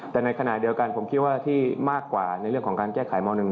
แต่ในขณะเดียวกันผมคิดว่าที่มากกว่าในเรื่องของการแก้ไขม๑